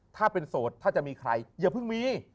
ถ้าเป็นโสดถ้าจะมีใครอย่าเพิ่งมี